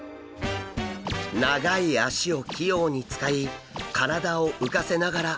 長い脚を器用に使い体を浮かせながら歩いています。